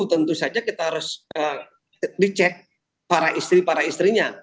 tentu saja kita harus dicek para istri para istrinya